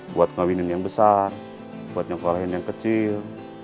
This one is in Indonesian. buat ngawinin yang besar buat nyokolahin yang kecil